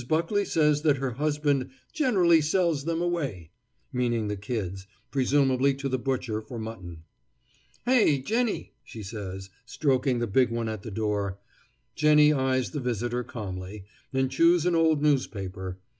Buckley says that her husband "generally sells them away," meaning the kids, presumably to the butcher for mutton. "Hey, Jenny!" she says, stroking the big one at the door. Jenny eyes the visitor calmly, and chews an old newspaper.